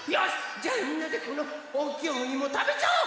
じゃあみんなでこのおおきいおいもたべちゃおう！